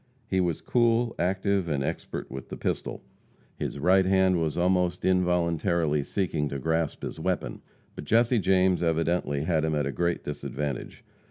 He was cool, active and expert with the pistol; his right hand was almost involuntarily seeking to grasp his weapon. But Jesse James evidently had him at a great disadvantage.